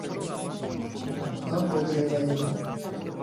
何個送ればいいの